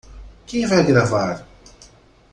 Quem vai gravar?